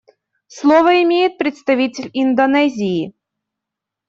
Слово имеет представитель Индонезии.